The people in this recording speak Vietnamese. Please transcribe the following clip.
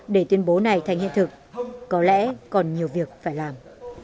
để tuyên bố này thành hiện thực có lẽ còn nhiều việc phải làm